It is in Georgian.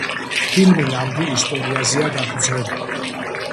ფილმი ნამდვილ ისტორიაზეა დაფუძნებული.